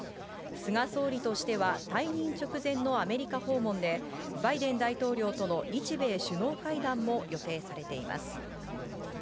菅総理としては、退任直前のアメリカ訪問で、バイデン大統領との日米首脳会談も予定されています。